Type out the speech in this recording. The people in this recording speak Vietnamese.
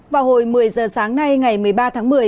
vào hồi một mươi giờ sáng nay ngày một mươi ba tháng một mươi